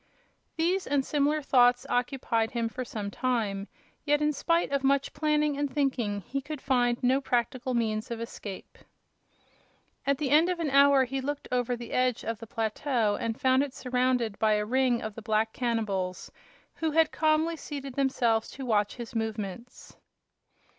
These and similar thoughts occupied him for some time, yet in spite of much planning and thinking he could find no practical means of escape. At the end of an hour he looked over the edge of the plateau and found it surrounded by a ring of the black cannibals, who had calmly seated themselves to watch his movements.